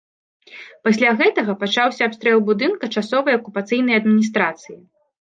Пасля гэтага, пачаўся абстрэл будынка часовай акупацыйнай адміністрацыі.